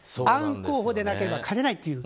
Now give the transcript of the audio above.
アン候補でなければ勝てない。